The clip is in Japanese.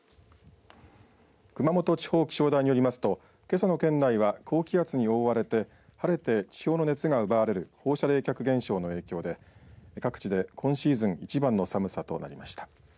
熊本地方気象台によりますとけさの県内は高気圧に覆われて晴れて地表の熱が奪われる放射冷却現象の影響で各地で今シーズンいちばんの寒さとなりました。